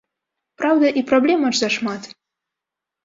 Праўда, і праблем аж зашмат.